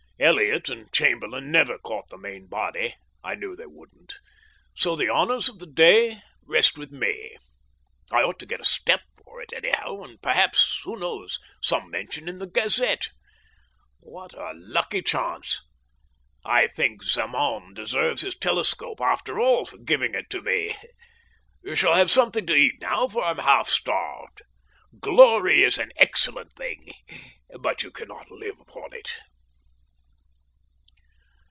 Elliott and Chamberlain never caught the main body I knew they wouldn't so the honours of the day rest with me. I ought to get a step for it, anyhow, and perhaps, who knows? some mention in the Gazette. What a lucky chance! I think Zemaun deserves his telescope after all for giving it to me. Shall have something to eat now, for I am half starved. Glory is an excellent thing, but you cannot live upon it.